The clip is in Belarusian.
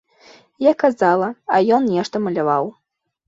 Я казала, а ён нешта маляваў.